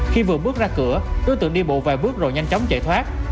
khi vừa bước ra cửa đối tượng đi bộ vài bước rồi nhanh chóng chạy thoát